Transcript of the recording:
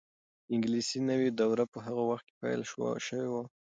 د انګلیسي نوې دوره په هغه وخت کې پیل شوې وه.